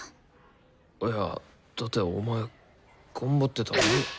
いやだってお前頑張ってたのに。